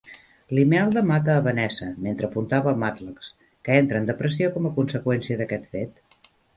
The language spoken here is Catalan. Limelda mata a Vanessa mentre apuntava a Madlax, que entra en depressió com a conseqüència d'aquest fet.